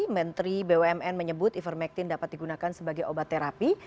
menteri bumn menyebut ivermectin dapat digunakan sebagai obat terapi